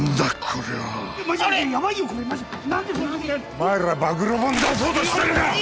お前ら暴露本出そうとしてたのか！？